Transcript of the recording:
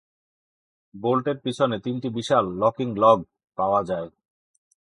বোল্টের পিছনে তিনটি বিশাল locking log পাওয়া যায়।